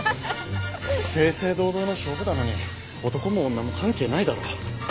正々堂々の勝負だのに男も女も関係ないだろ。